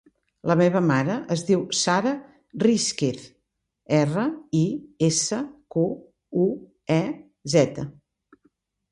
La meva mare es diu Sara Risquez: erra, i, essa, cu, u, e, zeta.